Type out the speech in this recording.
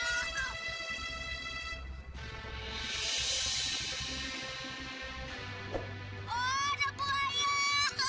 oh ada buaya